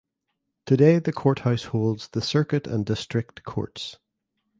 Today the Courthouse holds the Circuit and District Courts.